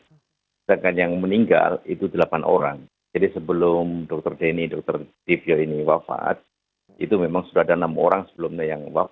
sedangkan yang meninggal itu delapan orang jadi sebelum dr denny dr dibyo ini wafat itu memang sudah ada enam orang sebelumnya yang wafat